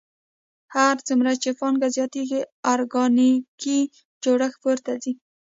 هر څومره چې پانګه زیاتېږي ارګانیکي جوړښت پورته ځي